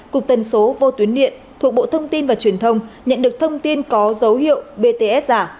cục tần số vô tuyến điện thuộc bộ thông tin và truyền thông nhận được thông tin có dấu hiệu bts giả